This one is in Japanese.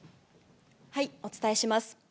お伝えします。